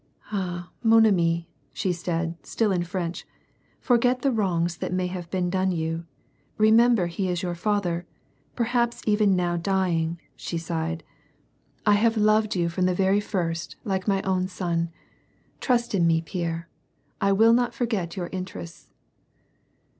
"Ah, man ami," gaid she, still in P'rench, "forget th« wrongs that may have l)een done you ; reinfMuber he is your father — perhaps even now dying," she sighed. " I have loved 90 WAR AND PEACE. you from the very first, like my own son. Trust in me, Pierre. I will not forget your interests."